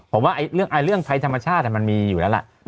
ผมว่าเรื่องภัยธรรมชาติมันมีอยู่แล้วล่ะ